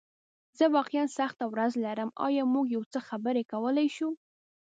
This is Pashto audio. زه واقعیا سخته ورځ لرم، ایا موږ یو څه خبرې کولی شو؟